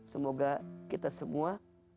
semoga kita semua